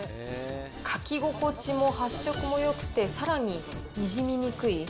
書き心地も発色もよくて、さらににじみにくい。